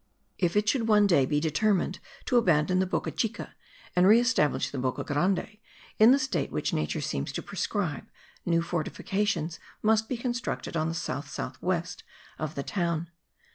If it should one day be determined to abandon the Boca Chica, and re establish the Boca Grande in the state which nature seems to prescribe, new fortifications must be constructed on the south south west of the town.